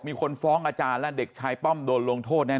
มีคนฟ้องอาจารย์และเด็กชายป้อมโดนลงโทษแน่